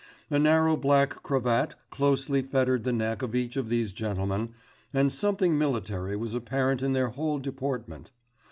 A narrow black cravat closely fettered the neck of each of these gentlemen, and something military was apparent in their whole deportment.